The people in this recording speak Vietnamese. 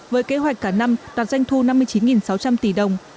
với kế hoạch cả năm đạt doanh thu năm mươi chín tỷ đồng